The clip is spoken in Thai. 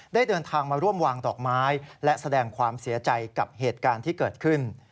เดินทางมาร่วมวางดอกไม้และแสดงความเสียใจกับเหตุการณ์ที่เกิดขึ้น